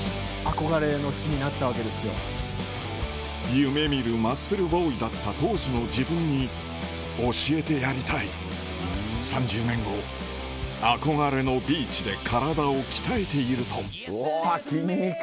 夢見るマッスルボーイだった当時の自分に教えてやりたい３０年後憧れのビーチで体を鍛えているとうお筋肉。